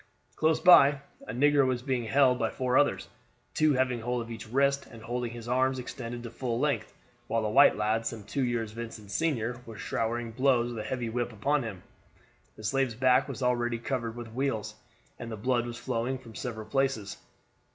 Close by a negro was being held by four others, two having hold of each wrist and holding his arms extended to full length, while a white lad, some two years Vincent's senior, was showering blows with a heavy whip upon him. The slave's back was already covered with weals, and the blood was flowing from several places.